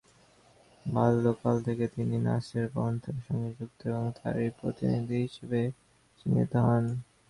বাল্যকাল থেকেই তিনি নাসেরপন্থার সঙ্গে যুক্ত এবং তাঁরই প্রতিনিধি হিসেবে চিত্রিত হন।